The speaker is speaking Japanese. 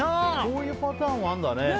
こういうパターンあるんだね。